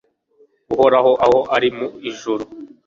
Uhoraho aho ari mu ijuru